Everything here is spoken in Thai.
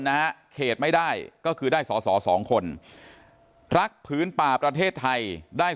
นะเขตไม่ได้ก็คือได้สอสอสองคนรักผืนป่าประเทศไทยได้